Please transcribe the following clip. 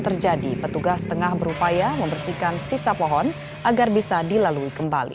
terjadi petugas tengah berupaya membersihkan sisa pohon agar bisa dilalui kembali